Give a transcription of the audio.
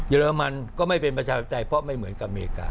เรมันก็ไม่เป็นประชาธิปไตยเพราะไม่เหมือนกับอเมริกา